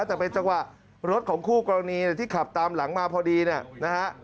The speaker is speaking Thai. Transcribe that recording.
แต่ไปจากว่ารถของคู่กรณีที่ขับตามหลังมาพอดีนะฮะ